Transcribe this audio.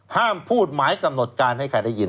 ห้ามพูดหมายกำหนดการให้ใครได้ยิน